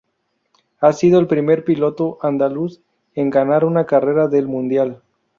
Ha sido el primer piloto andaluz en ganar una carrera del mundial.